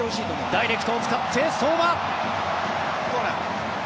ダイレクトを使って相馬。